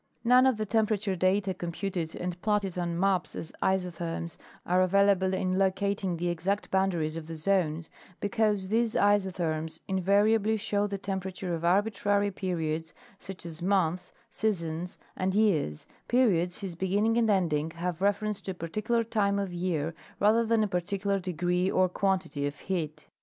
None of the temperature data computed and platted on maps as isotherms are ayailable in locating the exact boundaries of the zones, because these isotherms invariably show the temperature of arbitrary periods, such as months, seasons and years—periods whose beginning and ending have reference to a particular time of year rather than a particular degree or quantity of heat.